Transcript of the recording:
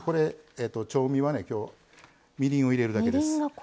調味はきょうみりんを入れるだけです。